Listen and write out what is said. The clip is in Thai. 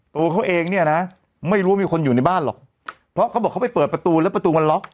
ตัวเขาเองเนี่ยนะไม่รู้ว่ามีคนอยู่ในบ้านหรอกเพราะเขาบอกเขาไปเปิดประตูแล้วประตูมันล็อก